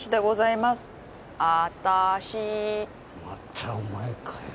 またお前かよ。